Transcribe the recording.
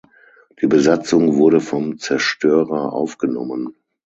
Die Besatzung wurde vom Zerstörer aufgenommen.